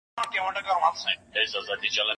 آيا له معلوماتو پرته پرېکړه کولای سو؟